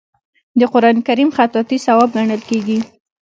د قران کریم خطاطي ثواب ګڼل کیږي.